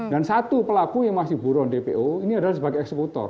dan satu pelaku yang masih buruan dpo ini adalah sebagai eksekutor